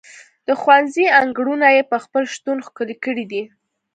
د ښوونځي انګړونه یې په خپل شتون ښکلي کړي دي.